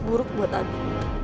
buruk buat abi